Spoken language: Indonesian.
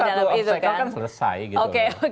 satu obstacle kan selesai gitu